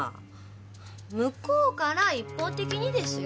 向こうから一方的にですよ。